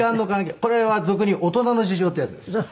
これは俗にいう大人の事情っていうやつです。